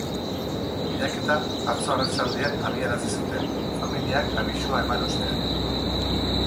Bilaketa atzo arratsaldean abiarazi zuten, familiak abisua eman ostean.